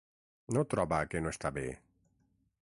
No troba que no està bé?